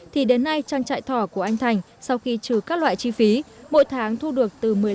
thì đến nay trang trại thỏ của anh thành sau khi trừ các loại chi phí mỗi tháng thu được từ một mươi năm